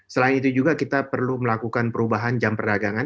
selain itu juga kita perlu melakukan perubahan jam perdagangan